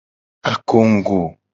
Akongugo.